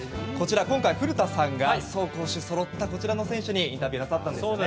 今回、古田さんが走攻守そろったこちらの選手にインタビューなさったんですよね。